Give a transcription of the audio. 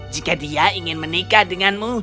jika dia ingin menikah denganmu